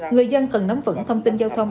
người dân cần nắm vững thông tin giao thông